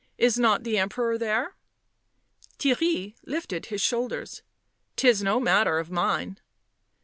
" Is not the Emperor there ?" Theirrv lifted his shoulders. " 'Tis no matter of */ mine."